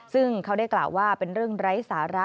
ซึ่งเขาได้กล่าวว่าเป็นเรื่องไร้สาระ